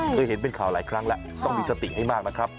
เคยเห็นเป็นข่าวหลายครั้งแล้วต้องมีสติให้มากนะครับ